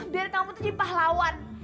biar kamu tuh jadi pahlawan